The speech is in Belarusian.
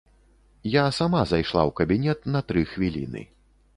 Я сама зайшла ў кабінет на тры хвіліны.